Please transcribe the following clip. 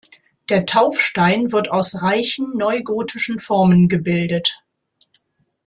Der Taufstein wird aus reichen, neugotischen Formen gebildet.